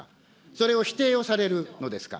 それを否定をされるのですか。